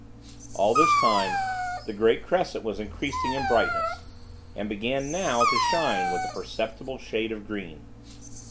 All this time, the great crescent was increasing in brightness, and began, now, to shine with a perceptible shade of green.